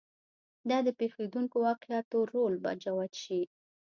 دا د پېښېدونکو واقعاتو رول به جوت شي.